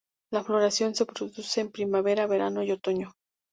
La floración se produce en primavera, verano y otoño.